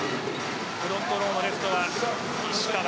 フロントローのレフトは石川。